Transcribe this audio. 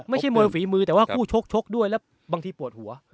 ไม่ใช่มวยฝีมือแต่ว่าคู่ชกชกด้วยแล้วบางทีปวดหัว